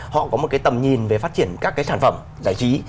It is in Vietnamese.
họ có một cái tầm nhìn về phát triển các cái sản phẩm giải trí